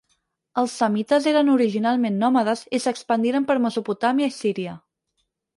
Els semites eren originalment nòmades i s'expandiren per Mesopotàmia i Síria.